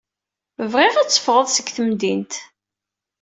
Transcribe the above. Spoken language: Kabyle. Bɣiɣ ad teffɣeḍ seg temdint.